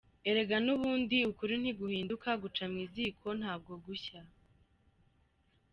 Erega n’ubundi ukuri ntiguhinduka, guca mu ziko ntabwo gushya’’.